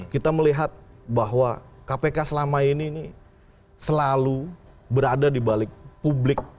kita melihat bahwa kpk selama ini selalu berada di balik publik